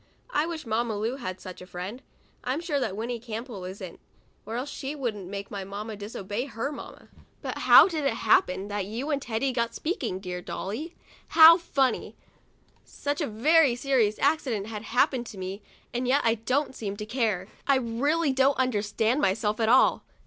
I wish Mamma Lu had such a friend. I am sure that Winnie Campbell isn't, or else she wouldn't make my mamma disobey her mamma. But how did it happen that you and Teddy got to speaking, Dolly dear ? How funny ! Such a very 67 THE DIARY OF A BIRTHDAY DOLL serious accident has happened to me, and yet I don't seem to care. I really don't understand myself at all.